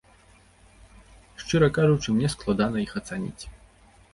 Шчыра кажучы, мне складана іх ацаніць.